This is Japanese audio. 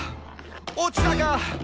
落ちたか！」